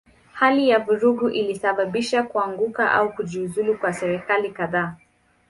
Hali ya vurugu ilisababisha kuanguka au kujiuzulu kwa serikali kadhaa.